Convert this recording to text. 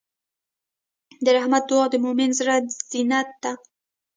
د رحمت دعا د مؤمن زړۀ زینت دی.